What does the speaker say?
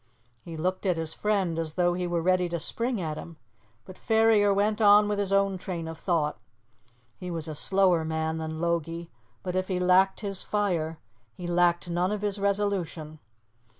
He looked at his friend as though he were ready to spring at him. But Ferrier went on with his own train of thought. He was a slower man than Logie, but if he lacked his fire, he lacked none of his resolution.